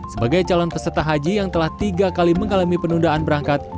sebagai calon peserta haji yang telah tiga kali mengalami penundaan berangkat